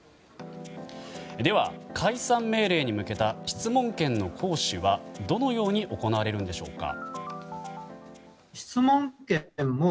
では、解散命令に向けた質問権の行使はどのように行われるのでしょうか？